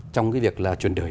trong cái việc là chuyển đổi